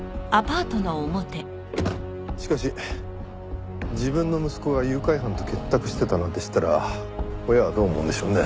しかし自分の息子が誘拐犯と結託してたなんて知ったら親はどう思うんでしょうね。